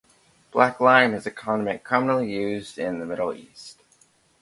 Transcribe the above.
Black lime is a condiment commonly used in the Middle East.